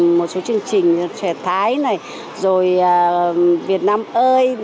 một số chương trình trẻ thái này rồi việt nam ơi